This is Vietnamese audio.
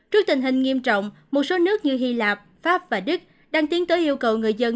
trước tình hình nghiêm trọng một số nước như hy lạp pháp và đức đang tiến tới yêu cầu người dân